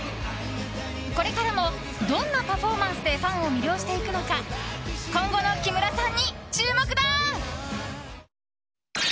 これからもどんなパフォーマンスでファンを魅了していくのか今後の木村さんに注目だ！